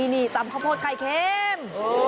นี่ตำข้าวโพดไข่เค็ม